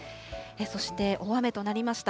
そして、大雨となりました